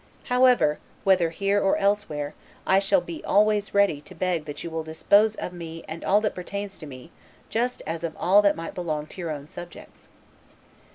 ... However, whether here or elsewhere, I shall be always ready to beg that you will dispose of me and all that pertains to me just as of all that might belong to your own subjects."